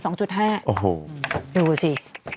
โอ้โหดูสิ